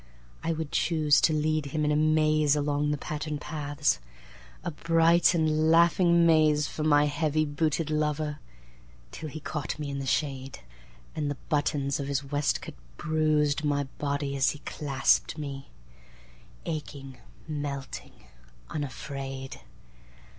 I would chooseTo lead him in a maze along the patterned paths,A bright and laughing maze for my heavy booted lover, Till he caught me in the shade, And the buttons of his waistcoat bruised my body as he clasped me, Aching, melting, unafraid.